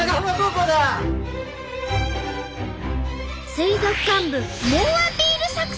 水族館部猛アピール作戦！